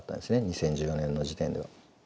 ２０１４年の時点では。